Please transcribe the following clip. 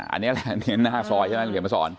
อันนี้แหละหน้าซอยใช่มั้ยเหลียดมาสอน